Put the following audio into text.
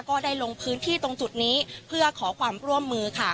ก็ได้ลงพื้นที่ตรงจุดนี้เพื่อขอความร่วมมือค่ะ